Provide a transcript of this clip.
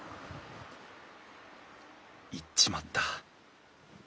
行っちまった。